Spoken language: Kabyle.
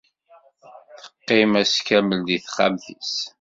Teqqim ass kamel deg texxamt-is.